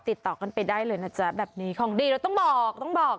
ติดต่อกันไปได้เลยนะจ๊ะแบบนี้ของดีเราต้องบอกต้องบอก